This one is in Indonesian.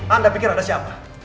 anda pikir anda siapa